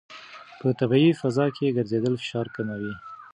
په طبیعي فضا کې ګرځېدل فشار کموي.